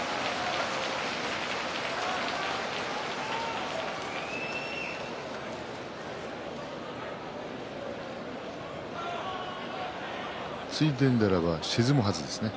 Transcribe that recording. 拍手ついていると沈むはずですね。